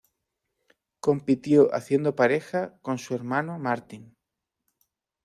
Compitió haciendo pareja con su hermano Martin.